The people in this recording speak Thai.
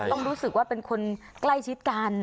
ต้องรู้สึกว่าเป็นคนใกล้ชิดกัน